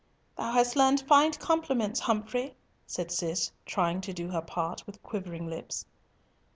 "Thou hast learnt fine compliments, Humfrey," said Cis, trying to do her part with quivering lips.